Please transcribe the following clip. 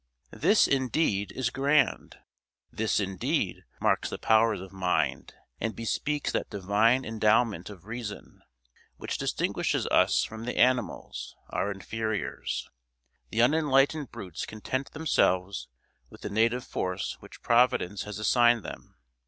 This, indeed, is grand! this, indeed, marks the powers of mind, and bespeaks that divine endowment of reason, which distinguishes us from the animals, our inferiors. The unenlightened brutes content themselves with the native force which Providence has assigned them.